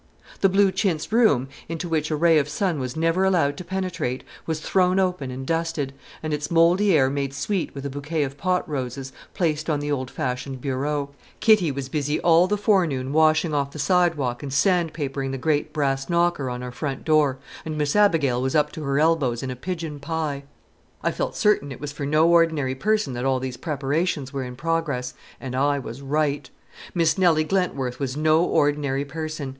The blue chintz room, into which a ray of sun was never allowed to penetrate, was thrown open and dusted, and its mouldy air made sweet with a bouquet of pot roses placed on the old fashioned bureau. Kitty was busy all the forenoon washing off the sidewalk and sand papering the great brass knocker on our front door; and Miss Abigail was up to her elbows in a pigeon pie. I felt sure it was for no ordinary person that all these preparations were in progress; and I was right. Miss Nelly Glentworth was no ordinary person.